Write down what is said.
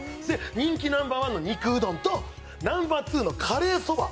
人気ナンバーワンの肉うどんとナンバーツーのカレーそば。